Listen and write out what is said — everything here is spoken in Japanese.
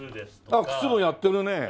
ああ靴もやってるね。